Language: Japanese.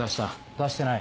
出してない？